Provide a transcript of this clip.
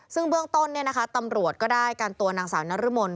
ซึ่งเบื้องต้นตำรวจก็ได้กันตัวนางสาวนรมน